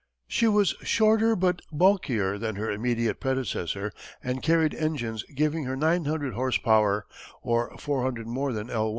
She was shorter but bulkier than her immediate predecessor and carried engines giving her nine hundred horse power, or four hundred more than _L I.